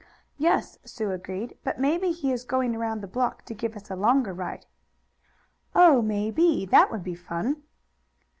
"Yes," Sue agreed, "but maybe he is going around the block to give us a longer ride." "Oh, maybe! That would be fun!"